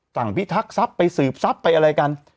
สั่งพิทักษ์ทรัพย์ไปสืบทรัพย์ไปอะไรกัน